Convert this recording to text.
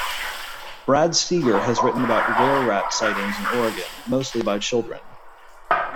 Brad Steiger has written about wererat sightings in Oregon, mostly by children.